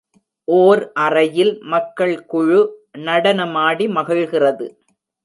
ஓர் அறையில் மக்கள் குழு நடனமாடி மகிழ்கிறது.